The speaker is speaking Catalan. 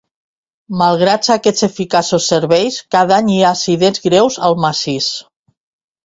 Malgrat aquests eficaços serveis, cada any hi ha accidents greus al massís.